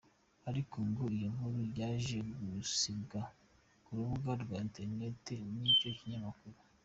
Ariko ngo iyo nkuru yaje gusibwa ku rubuga rwa interineti rw'icyo kinyamakuru.